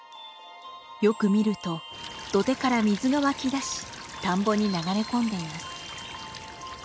よく見ると土手から水が湧き出し田んぼに流れ込んでいます。